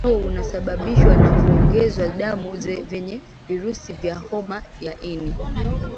ugonjwa huo unasababishwa na kuongezewa damu yenye virusi vya homa ya ini